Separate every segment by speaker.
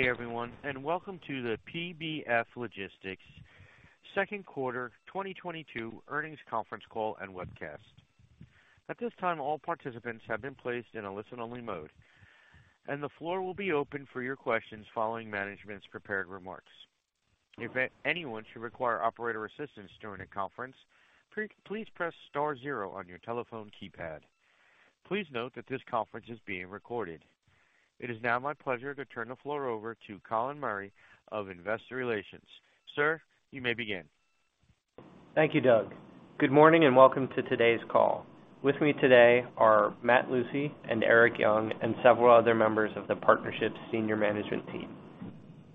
Speaker 1: Good day everyone, and welcome to the PBF Logistics second quarter 2022 earnings conference call and webcast. At this time, all participants have been placed in a listen-only mode, and the floor will be open for your questions following management's prepared remarks. If anyone should require operator assistance during the conference, please press star zero on your telephone keypad. Please note that this conference is being recorded. It is now my pleasure to turn the floor over to Colin Murray of Investor Relations. Sir, you may begin.
Speaker 2: Thank you, Doug. Good morning, and welcome to today's call. With me today are Matt Lucey and Erik Young, and several other members of the partnership senior management team.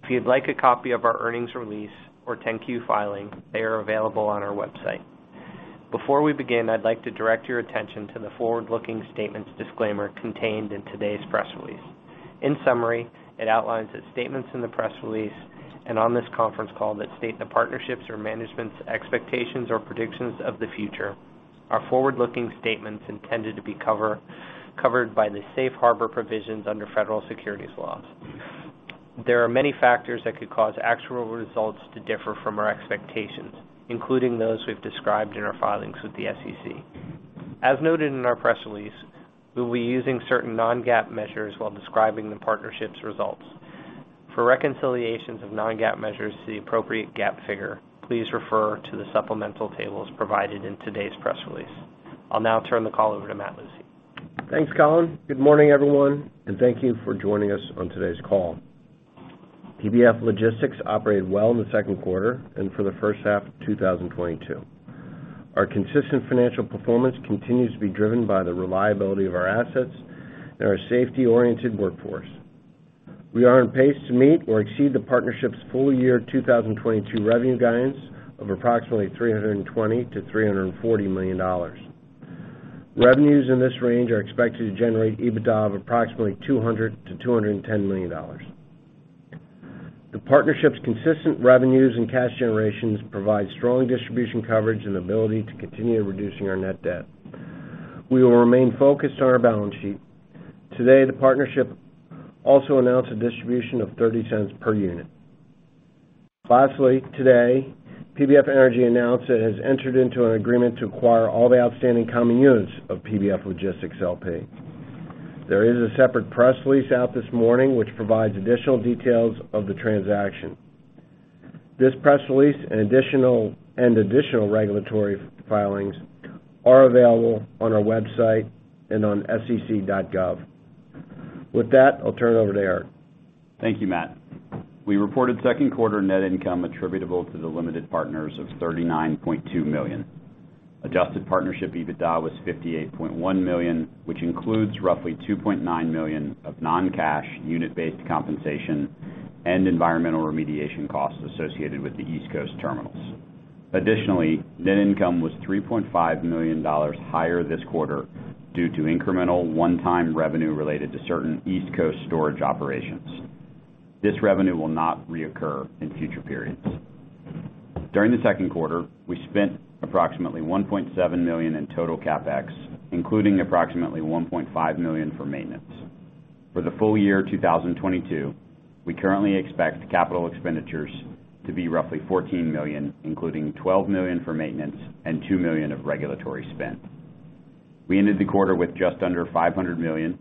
Speaker 2: If you'd like a copy of our earnings release or 10-Q filing, they are available on our website. Before we begin, I'd like to direct your attention to the forward-looking statements disclaimer contained in today's press release. In summary, it outlines that statements in the press release and on this conference call that state the partnership's or management's expectations or predictions of the future are forward-looking statements intended to be covered by the safe harbor provisions under federal securities laws. There are many factors that could cause actual results to differ from our expectations, including those we've described in our filings with the SEC. As noted in our press release, we'll be using certain Non-GAAP measures while describing the partnership's results. For reconciliations of Non-GAAP measures to the appropriate GAAP figure, please refer to the supplemental tables provided in today's press release. I'll now turn the call over to Matt Lucey.
Speaker 3: Thanks, Colin. Good morning, everyone, and thank you for joining us on today's call. PBF Logistics operated well in the second quarter and for the first half of 2022. Our consistent financial performance continues to be driven by the reliability of our assets and our safety-oriented workforce. We are on pace to meet or exceed the partnership's full-year 2022 revenue guidance of approximately $320 million-$340 million. Revenues in this range are expected to generate EBITDA of approximately $200 million-$210 million. The partnership's consistent revenues and cash generations provide strong distribution coverage and ability to continue reducing our net debt. We will remain focused on our balance sheet. Today, the partnership also announced a distribution of $0.30 per unit. Lastly, today, PBF Energy announced it has entered into an agreement to acquire all the outstanding common units of PBF Logistics LP. There is a separate press release out this morning which provides additional details of the transaction. This press release and additional regulatory filings are available on our website and on sec.gov. With that, I'll turn it over to Eric.
Speaker 4: Thank you, Matt. We reported second quarter net income attributable to the limited partners of $39.2 million. Adjusted Partnership EBITDA was $58.1 million, which includes roughly $2.9 million of non-cash unit-based compensation and environmental remediation costs associated with the East Coast terminals. Additionally, net income was $3.5 million higher this quarter due to incremental one-time revenue related to certain East Coast storage operations. This revenue will not reoccur in future periods. During the second quarter, we spent approximately $1.7 million in total CapEx, including approximately $1.5 million for maintenance. For the full year 2022, we currently expect capital expenditures to be roughly $14 million, including $12 million for maintenance and $2 million of regulatory spend. We ended the quarter with just under $500 million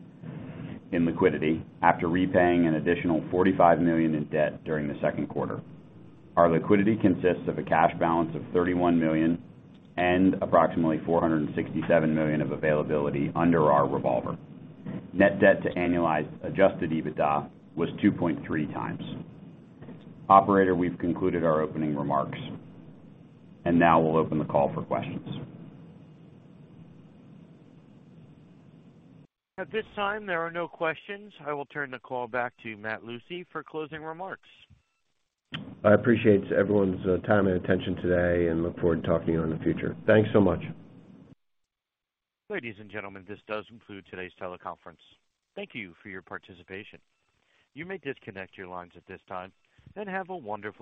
Speaker 4: in liquidity after repaying an additional $45 million in debt during the second quarter. Our liquidity consists of a cash balance of $31 million and approximately $467 million of availability under our revolver. Net Debt to Annualized Adjusted EBITDA was 2.3 times. Operator, we've concluded our opening remarks. Now we'll open the call for questions.
Speaker 1: At this time, there are no questions. I will turn the call back to Matthew Lucey for closing remarks.
Speaker 3: I appreciate everyone's time and attention today and look forward to talking to you in the future. Thanks so much.
Speaker 1: Ladies and gentlemen, this does conclude today's teleconference. Thank you for your participation. You may disconnect your lines at this time, and have a wonderful day.